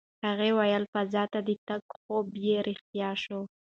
هغې وویل فضا ته د تګ خوب یې رښتیا شو.